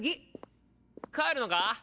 帰るのか？